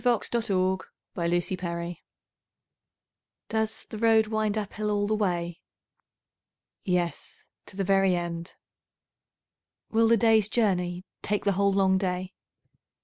Christina Rossetti Up Hill DOES the road wind up hill all the way? Yes, to the very end. Will the day's journey take the whole long day?